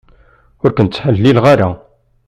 Ur ken-ttḥellileɣ ara.